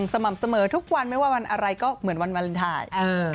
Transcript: สม่ำเสมอทุกวันไม่ว่าวันอะไรก็เหมือนวันวาเลนไทย